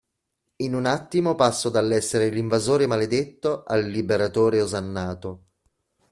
In un attimo passo dall'essere l'invasore maledetto al liberatore osannato.